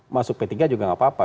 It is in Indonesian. masuk p tiga juga nggak apa apa